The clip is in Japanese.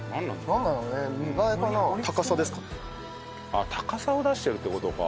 あっ高さを出してるって事か。